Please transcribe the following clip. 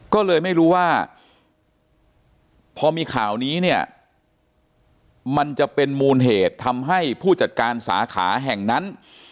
ก็เลยไม่รู้ว่าพอมีข่าวนี้เนี่ยมันจะเป็นมูลเหตุทำให้ผู้จัดการสาขาแห่งนั้น